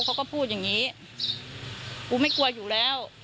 กูไม่กลัวอยู่แล้ว